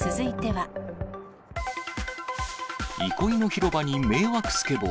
憩いの広場に迷惑スケボー。